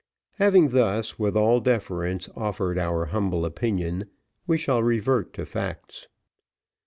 Having thus, with all deference, offered our humble opinion, we shall revert to facts.